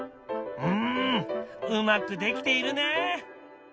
うんうまく出来ているね！